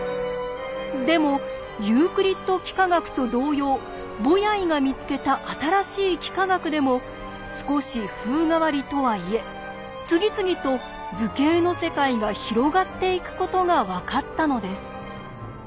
でもユークリッド幾何学と同様ボヤイが見つけた新しい幾何学でも少し風変わりとはいえ次々と図形の世界が広がっていくことが分かったのです。